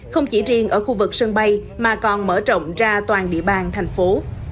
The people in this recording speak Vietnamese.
không chỉ riêng ở khu vực sân bay mà còn mở rộng ra toàn địa bàn thành phố